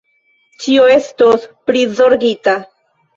Ĉio estos prizorgita.